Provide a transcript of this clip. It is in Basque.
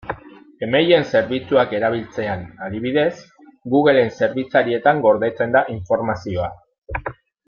Gmail-en zerbitzuak erabiltzean, adibidez, Google-en zerbitzarietan gordetzen da informazioa.